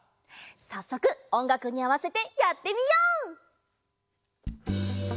さっそくおんがくにあわせてやってみよう！